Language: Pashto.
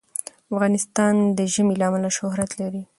افغانستان د ژمی له امله شهرت لري.